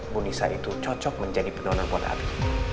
bu nisa itu cocok menjadi pendonor pondak api